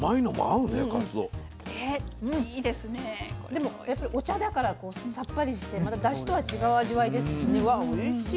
でもやっぱりお茶だからこうさっぱりしてまたダシとは違う味わいですしねわっおいしい！